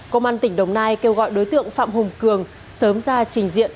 công an tỉnh đồng nai kêu gọi đối tượng phạm hùng cường sớm ra trình diện